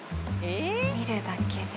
見るだけで。